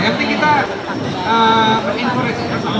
yang penting kita berinfluensi